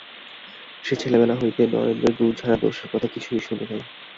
সে ছেলেবেলা হইতেই নরেন্দ্রের গুণ ছাড়া দোষের কথা কিছুই শুনে নাই।